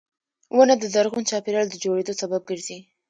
• ونه د زرغون چاپېریال د جوړېدو سبب ګرځي.